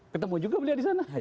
ketemu juga beliau di sana